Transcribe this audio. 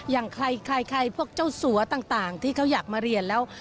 อย่างใครพวกเจ้าสัวต่างที่เขาอยากมาเรียนแล้ว